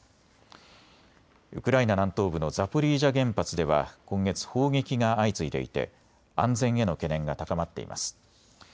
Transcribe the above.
ウクライナ南東部のザポリージャ原発では今月、砲撃が相次いでいて安全への懸念が高まっています。